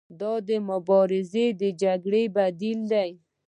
دا مبارزه د جګړې بدیل دی.